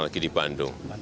kemudian lagi di bandung